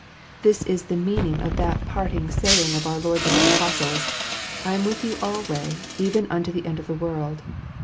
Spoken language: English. This is the meaning of that parting saying of our Lord to His Apostles, " I am with you alway, even unto the end of the world."